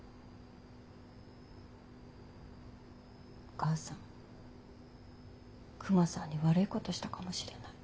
お母さんクマさんに悪いことしたかもしれない。